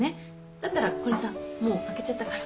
だったらこれさもう開けちゃったから。